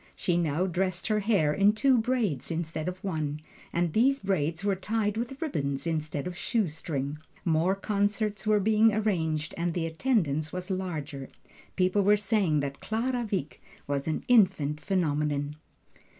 She now dressed her hair in two braids instead of one, and these braids were tied with ribbons instead of a shoe string. More concerts were being arranged, and the attendance was larger people were saying that Clara Wieck was an Infant Phenomenon.